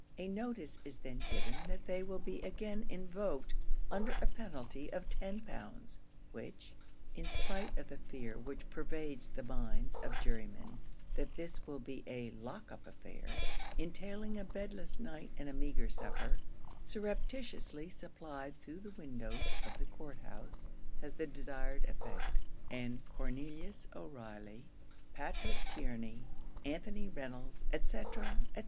A notice is then given that they will be again invoked under a penalty of ten pounds, which, in spite of the fear which pervades the minds of jurymen that this will be a lock up affair, entailing a bedless night and a meagre supper, surreptitiously supplied through the windows of the court house, has the desired effect, and Cornelius O'Reilly, Patrick Tierney, Anthony Reynolds, &c., &c.